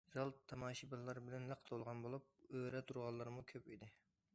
زال تاماشىبىنلار بىلەن لىق تولغان بولۇپ، ئۆرە تۇرغانلارمۇ كۆپ ئىدى.